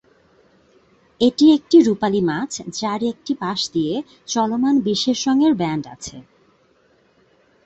এটি একটি রূপালী মাছ যার একটি পাশ দিয়ে চলমান বিশেষ রঙের ব্যান্ড আছে।